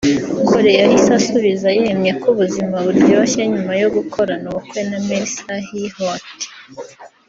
Cole yahise asubiza yemye ko ‘ubuzima buryoshye nyuma yo gukorana ubukwe na Melissa HeHolt